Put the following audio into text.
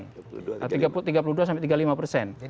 nah tiga puluh dua sampai tiga puluh lima persen